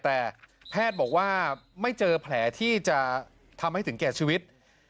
แต่แพทย์บอกว่าไม่เจอแผลที่จะทำให้ถึงแก่ชีวิต